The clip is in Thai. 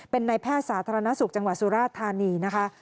เป็นในแพทย์สาธารณสุขจังหวัดสุราธานีนะคะ